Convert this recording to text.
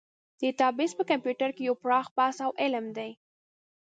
ډیټابیس په کمپیوټر کې یو پراخ بحث او علم دی.